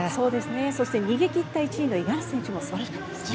そして逃げ切った１位の五十嵐選手も素晴らしかったですね。